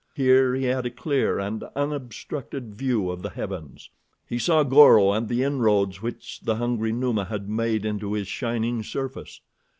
Here he had a clear and unobstructed view of the heavens. He saw Goro and the inroads which the hungry Numa had made into his shining surface.